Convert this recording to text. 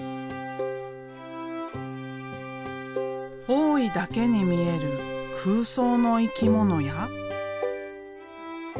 大井だけに見える空想の生き物や。